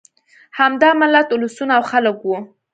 همدا ملت، اولسونه او خلک وو.